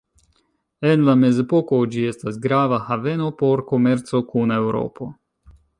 En la mezepoko ĝi estis grava haveno por komerco kun Eŭropo.